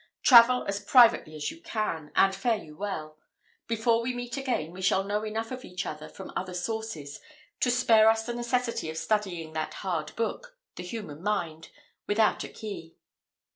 "Travel as privately as you can; and fare you well. Before we meet again, we shall know enough of each other from other sources, to spare us the necessity of studying that hard book the human mind, without a key."